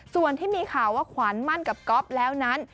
ส่วนที่มีข่าวว่าขวัญมั่นกับก๊อฟแล้วนั้น